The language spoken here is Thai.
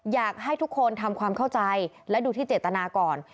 อยากให้ทุกคนทำความเข้าใจและดูที่เจตนาก่อน